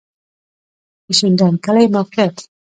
د شینډنډ کلی موقعیت